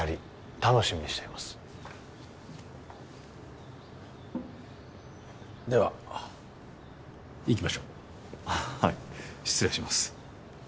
楽しみにしていますでは行きましょうはい失礼します